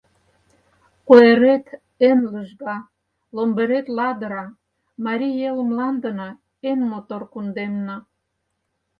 Куэрет эн лыжга, Ломберет ладыра, Марий Эл мландына — Эн мотор кундемна.